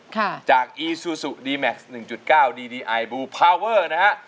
ค่ะจากอีซูซูดีแม็กซ์หนึ่งจุดเก้าดีดีไอบูพาเวอร์นะฮะ